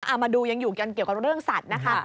เอามาดูยังอยู่กันเกี่ยวกับเรื่องสัตว์นะคะ